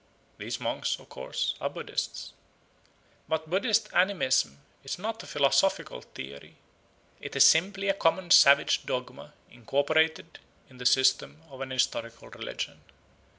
These monks, of course, are Buddhists. But Buddhist animism is not a philosophical theory. It is simply a common savage dogma incorporated in the system of an historical religion.